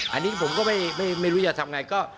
อันนี้ผมก็ไม่รู้จะทำไงก็